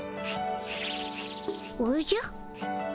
おじゃ。